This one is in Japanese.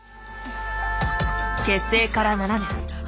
結成から７年。